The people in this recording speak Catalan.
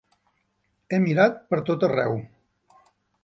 He mirat pertot arreu.